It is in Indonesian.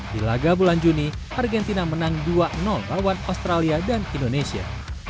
di laga bulan juni argentina menang dua lawan australia dan indonesia